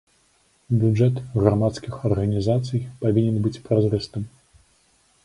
Бюджэт грамадскіх арганізацый павінен быць празрыстым.